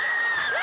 何？